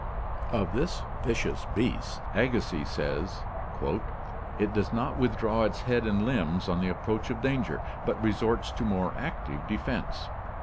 Of this vicious beast Agassiz says: "It does not withdraw its head and limbs on the approach of danger, but resorts to more active defence.